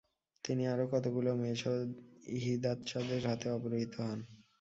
তিনি আরও কতোগুলো মেয়েসহ হিদাৎসাদের হাতে অপহৃত হন।